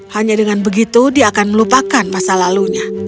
hanya dengan begitu dia akan melupakan masa lalunya